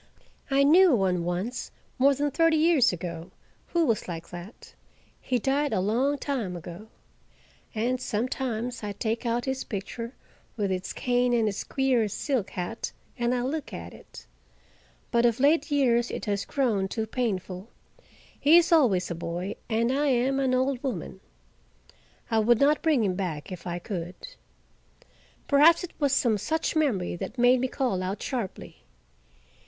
I knew one once, more than thirty years ago, who was like that: he died a long time ago. And sometimes I take out his picture, with its cane and its queer silk hat, and look at it. But of late years it has grown too painful: he is always a boy—and I am an old woman. I would not bring him back if I could. Perhaps it was some such memory that made me call out sharply.